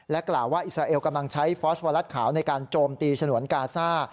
กล่าวว่าอิสราเอลกำลังใช้ฟอสวัสขาวในการโจมตีฉนวนกาซ่า